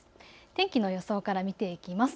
天気の予想から見ていきます。